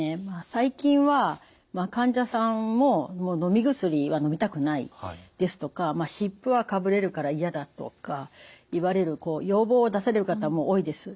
最近は患者さんも「もうのみ薬はのみたくない」ですとか「湿布はかぶれるから嫌だ」とか言われる要望を出される方も多いです。